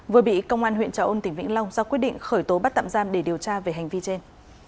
vừa bị công an huyện trà ôn tỉnh vĩnh long ra quyết định khởi tố bắt tạm giam để điều tra về hành vi trên